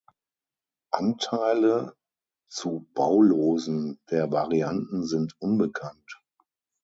Anteile zu Baulosen der Varianten sind unbekannt.